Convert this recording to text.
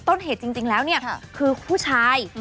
ต้นเหตุจริงแล้วเนี่ยคือผู้ชาย